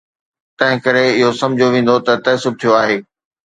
تنهنڪري اهو سمجهيو ويندو ته تعصب ٿيو آهي.